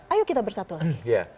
ayo kita bersatu lagi